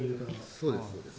そうです